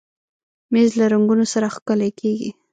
مېز له رنګونو سره ښکلی کېږي.